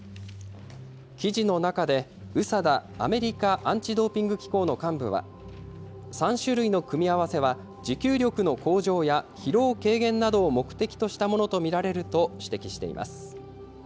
記事の中で、ＵＳＡＤＡ・アメリカアンチドーピング機構の幹部は、３種類の組み合わせは、持久力の向上や疲労軽減などを目的としたものと見られると指摘しています。